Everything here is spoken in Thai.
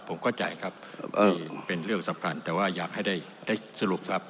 ผมเข้าใจครับเป็นเรื่องสำคัญแต่ว่าอยากให้ได้สรุปทรัพย